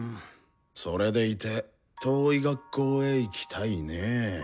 それでいて「遠い学校へ行きたい」ねぇ。